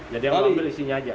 jadi yang ambil isinya aja